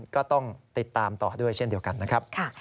ก็ต้องติดตามต่อด้วยเช่นเดียวกันนะครับ